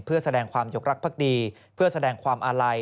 เพื่อแสดงความจงรักภักดีเพื่อแสดงความอาลัย